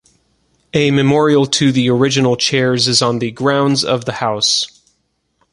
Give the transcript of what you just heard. A memorial to the original chairs is on the grounds of the house.